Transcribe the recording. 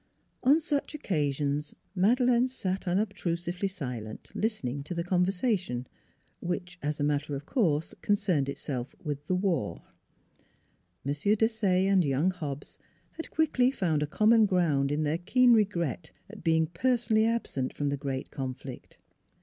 On such occasions Madeleine sat unobstrusively si lent, listening to the conversation, which as a matter of course concerned itself with the war. M. Desaye and young Hobbs had quickly found a NEIGHBORS 259 common ground in their keen regret at being per sonally absent from the great conflict.